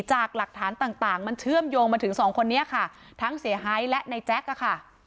จากหลักฐานต่างต่างมันเชื่อมโยงมาถึงสองคนนี้ค่ะทั้งเสียหายและในแจ๊กอะค่ะ